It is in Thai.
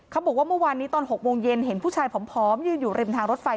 เมื่อวานนี้ตอน๖โมงเย็นเห็นผู้ชายผอมยืนอยู่ริมทางรถไฟ